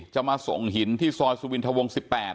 จะมาส่งหินที่ซอยสุวินทะวง๑๘